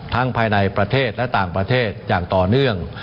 ภายในประเทศและต่างประเทศอย่างต่อเนื่อง